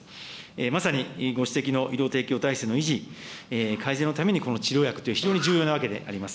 まさにご指摘の医療提供体制の維持、改善のためにこの治療薬というのは非常に重要なわけであります。